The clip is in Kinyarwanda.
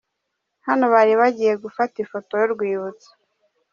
Hano bari bagiye gufata ifoto y’urwibutso.